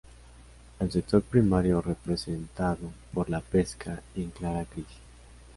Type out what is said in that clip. El sector primario, representado por la pesca y en clara crisis.